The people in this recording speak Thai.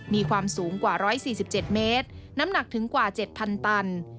มีความสูงกว่า๑๔๗เมตรน้ำหนักถึงกว่า๗๐๐ตัน